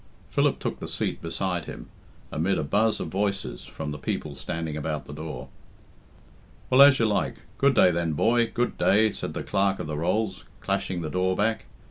Philip took the seat beside him, amid a buzz of voices from the people standing about the door. "Well, as you like; good day, then, boy, good day," said the Clerk of the Rolls, clashing the door back.